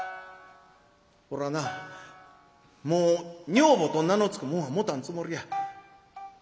俺はなもう女房と名の付くもんは持たんつもりや。